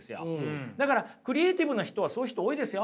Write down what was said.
だからクリエーティブな人はそういう人多いですよ。